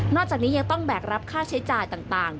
จากนี้ยังต้องแบกรับค่าใช้จ่ายต่าง